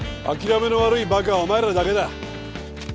諦めの悪いバカはお前らだけだ。